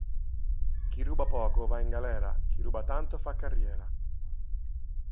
Chi ruba poco va in galera, chi ruba tanto fa carriera.